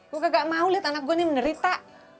gue kagak mau liat anak gue ini menderita